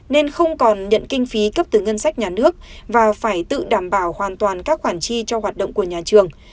nên không còn nhận kinh phí cấp từ ngân sách nhà nước và phải tự đảm bảo hoàn toàn các khoản chi cho hoạt động của nhà trường